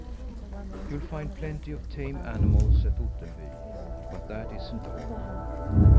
You'll find plenty of tame animals at Ottenby, but that isn't all.